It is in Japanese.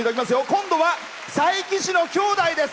今度は佐伯市の兄弟です。